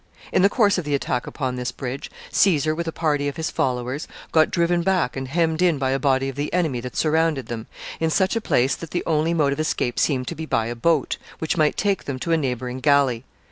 In the course of the attack upon this bridge, Caesar, with a party of his followers, got driven back and hemmed in by a body of the enemy that surrounded them, in such a place that the only mode of escape seemed to be by a boat, which might take them to a neighboring galley.